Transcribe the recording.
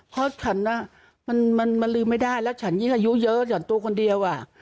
เพราะฉันมันลืมไม่ได้แล้วฉันนี้อายุเยอะฉันตัวตัวคนเดียวอะ